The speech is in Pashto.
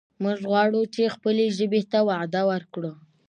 موږ غواړو چې خپلې ژبې ته وده ورکړو.